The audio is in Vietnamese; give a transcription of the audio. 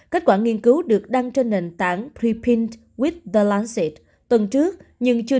kết quả nghiên cứu được đăng trên nền tảng pre pinned with the lancet tuần trước nhưng chưa